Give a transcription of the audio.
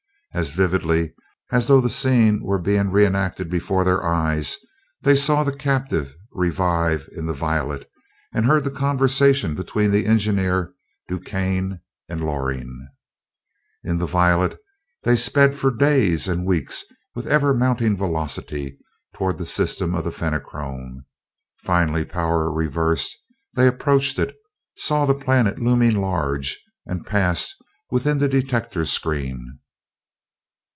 As vividly as though the scene were being re enacted before their eyes they saw the captive revive in the Violet, and heard the conversation between the engineer, DuQuesne, and Loring. In the Violet they sped for days and weeks, with ever mounting velocity, toward the system of the Fenachrone. Finally, power reversed, they approached it, saw the planet looming large, and passed within the detector screen.